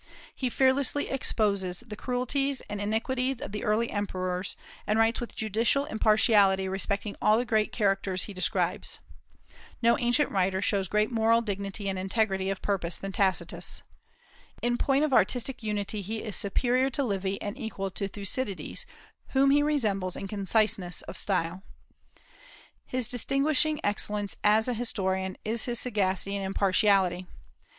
He fearlessly exposes the cruelties and iniquities of the early emperors, and writes with judicial impartiality respecting all the great characters he describes. No ancient writer shows greater moral dignity and integrity of purpose than Tacitus. In point of artistic unity he is superior to Livy and equal to Thucydides, whom he resembles in conciseness of style. His distinguishing excellence as an historian is his sagacity and impartiality.